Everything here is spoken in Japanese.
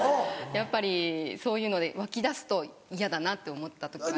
やっぱりそういうのでわきだすと嫌だなと思った時は。